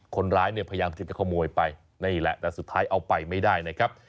คนร้ายเนี่ยพยายามที่จะขโมยไปนี่แหละแต่สุดท้ายเอาไปไม่ได้นะครับ